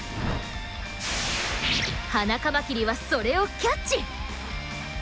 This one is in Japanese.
ハナカマキリはそれをキャッチ！